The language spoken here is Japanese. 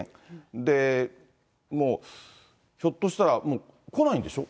で、もう、ひょっとしたら来ないんでしょ？